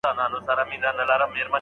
الله تعالی د اسمانونو او مځکي مالک دی.